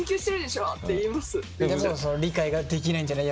でもその理解ができないんじゃない？